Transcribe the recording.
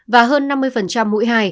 và hơn năm mươi mũi hai